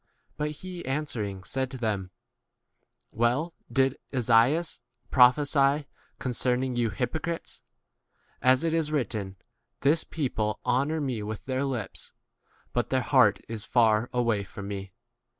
6 But he answering said to them, Well did Esaias prophesy con cerning you hypocrites, as it i3 written, This people honour me with their lips, but their heart is 7 far away from me.